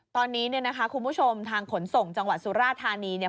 ตอนนี้เนี่ยนะคะคุณผู้ชมทางขนส่งจังหวัดสุราธานีเนี่ย